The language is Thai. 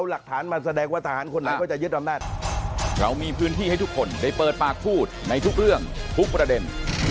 แล้วมีพื้นที่ให้ทุกคนได้เปิดปากพูดในทุกเรื่องทุกประเด็น